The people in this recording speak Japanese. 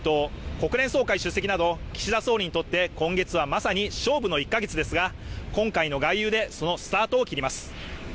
国連総会出席など岸田総理にとって今月はまさに勝負の１か月ですが今回の外遊でそのスタートを切ります